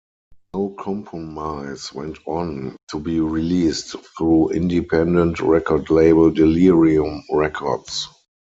"No Compromize" went on to be released through independent record label Delerium Records.